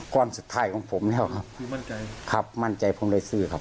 สุดท้ายของผมแล้วครับมั่นใจครับมั่นใจผมได้ซื้อครับ